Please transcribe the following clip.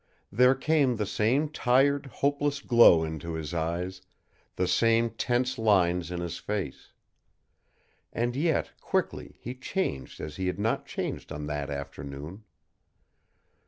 There came the same tired, hopeless glow into his eyes, the same tense lines in his face. And yet, quickly, he changed as he had not changed on that afternoon.